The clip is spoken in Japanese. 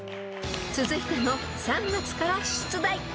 ［続いても３月から出題］